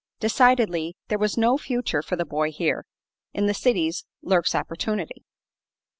Decidedly there was no future for the boy here; in the cities lurks opportunity.